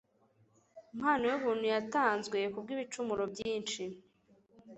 mpano y ubuntu yatanzwe ku bw ibicumuro byinshi